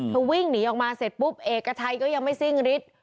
วิ่งหนีออกมาเสร็จปุ๊บเอกชัยก็ยังไม่สิ้นฤทธิ์